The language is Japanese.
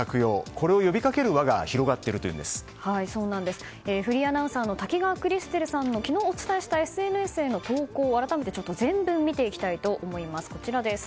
これを呼びかける輪がフリーアナウンサーの滝川クリステルさんの昨日お伝えしたＳＮＳへの投稿を全文を見ていきたいと思います。